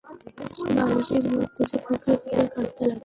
বালিশে মুখ গুঁজে ফুঁপিয়ে-ফুঁপিয়ে কাঁদতে লাগল।